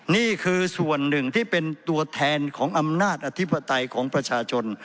นี่คือส่วนหนึ่งที่เป็นตัวแทนของอำนาจอธิปไตยของประชาชน